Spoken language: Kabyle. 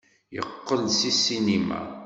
Yeqqel-d seg ssinima.